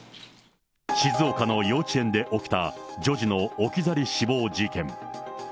静岡の幼稚園で起きた女児の置き去り死亡事件。